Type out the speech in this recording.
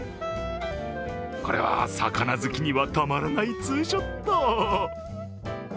これは魚好きにはたまらないツーショット。